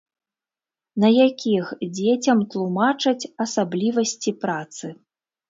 На якіх дзецям тлумачаць асаблівасці працы.